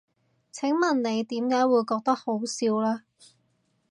請問你點解會覺得好笑呢？